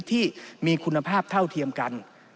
ที่มีคุณภาพเท่าเทียมกัน